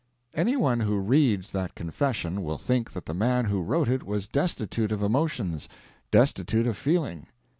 Anyone who reads that confession will think that the man who wrote it was destitute of emotions, destitute of feeling.